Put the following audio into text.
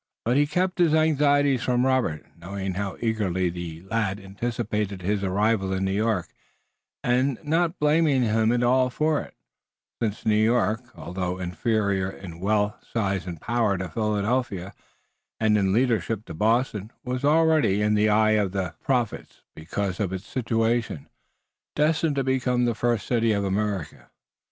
But he kept his anxieties from Robert, knowing how eagerly the lad anticipated his arrival in New York, and not blaming him at all for it, since New York, although inferior in wealth, size and power to Philadelphia, and in leadership to Boston, was already, in the eye of the prophets, because of its situation, destined to become the first city of America.